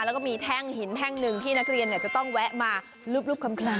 แล้วก็มีแท่งหินแท่งหนึ่งที่นักเรียนจะต้องแวะมารูปคลำ